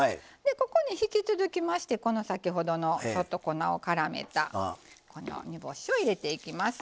ここの引き続きまして先ほどの粉をからめた煮干しを入れていきます。